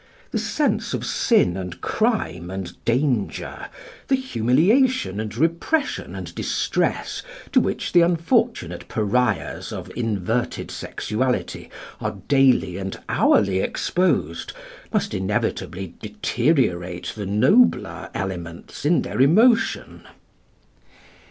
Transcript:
The sense of sin and crime and danger, the humiliation and repression and distress to which the unfortunate pariahs of inverted sexuality are daily and hourly exposed must inevitably deteriorate the nobler elements in their emotion.